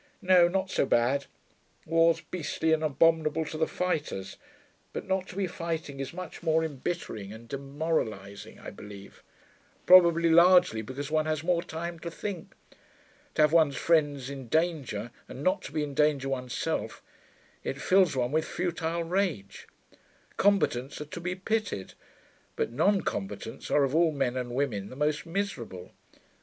'No: not so bad. War's beastly and abominable to the fighters: but not to be fighting is much more embittering and demoralising, I believe. Probably largely because one has more time to think. To have one's friends in danger, and not to be in danger oneself it fills one with futile rage. Combatants are to be pitied; but non combatants are of all men and women the most miserable.